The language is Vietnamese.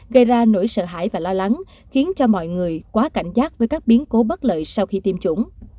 gây ra nỗi sợ hãi và lo lắng khiến cho mọi người quá cảnh giác với các biến cố bất lợi sau khi tiêm chủng